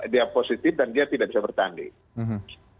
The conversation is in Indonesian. dia positif dan dia tidak bisa bertanding